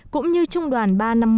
cũng như trung đoàn ba trăm năm mươi một